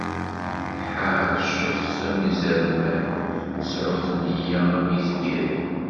Ḥeṛcet am izerman, sɛut nneyya am yetbiren.